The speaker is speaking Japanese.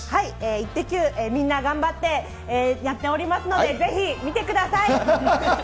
イッテＱ！、みんな頑張ってやっておりますので、ぜひ見てください。